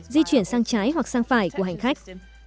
di chuyển sang trái hoặc sang phải của hành khách